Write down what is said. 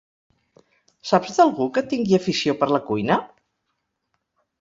Saps d'algú que tingui afició per la cuina?